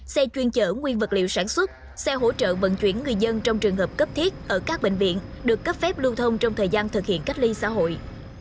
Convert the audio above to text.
xe chuyên chở nguyên vật liệu sản xuất xe hỗ trợ vận chuyển người dân trong trường hợp cấp thiết ở các bệnh viện được cấp phép lưu thông trong thời gian thực hiện cách ly xã hội